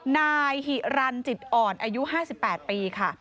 นายหิรันจิตอ่อนอายุ๕๘ปีค่ะ